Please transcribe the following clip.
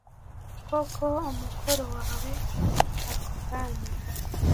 kora umukoro wawe ako kanya